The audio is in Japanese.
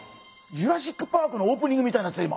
「ジュラシック・パーク」のオープニングみたいになってたよ